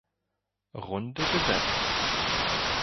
Runde gesetzt.